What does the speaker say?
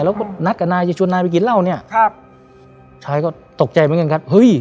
แล้วก็นัดกับนายจะชวนนายไปกินเหล้าเนี่ยครับชายก็ตกใจเหมือนกันครับเฮ้ย